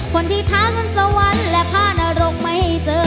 คนที่ทั้งสวรรค์และพาดอรกไม่ให้เจอ